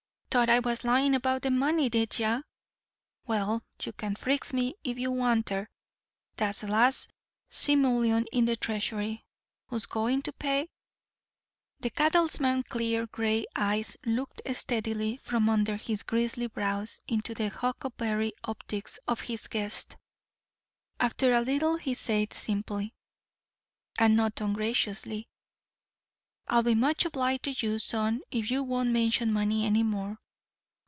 "T'ought I was lyin' about the money, did ye? Well, you can frisk me if you wanter. Dat's the last simoleon in the treasury. Who's goin' to pay?" The cattleman's clear grey eyes looked steadily from under his grizzly brows into the huckleberry optics of his guest. After a little he said simply, and not ungraciously, "I'll be much obliged to you, son, if you won't mention money any more.